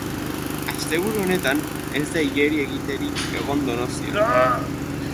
Asteburu honetan ez da igeri egiterik egon Donostian.